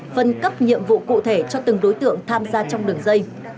phân cấp nhiệm vụ cụ thể cho từng đối tượng tham gia trong đường dây